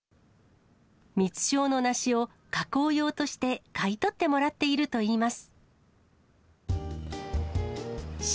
みつ症のなしを加工用として買い取ってもらっているといいます。